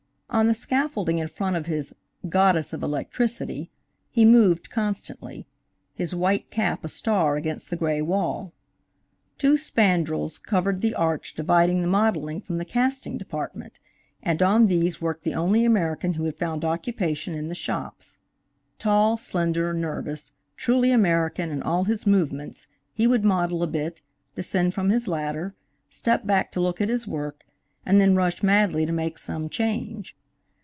On the scaffolding in front of his "Goddess of Electricity," he moved constantly, his white cap a star against the gray wall. Two spandrels covered the arch dividing the modeling from the casting department, and on these worked the only American who had found occupation in the shops. Tall, slender, nervous, truly American in all his movements, he would model a bit, descend from his ladder, step back to look at his work and then rush madly to make some change.